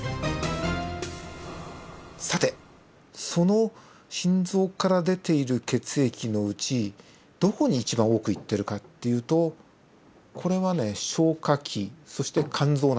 さてその心臓から出ている血液のうちどこに一番多く行ってるかっていうとこれはね消化器そして肝臓なんですね。